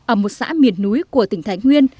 ở một xã miền núi của tỉnh thái nguyên